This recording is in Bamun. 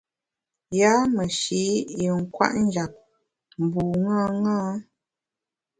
Yâ meshi’ yin kwet njap bu ṅaṅâ.